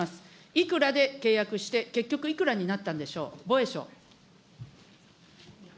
いくらで契約して、結局いくらになったんでしょう。